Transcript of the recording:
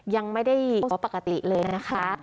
ยังไม่ได้ขอปกติเลยนะคะ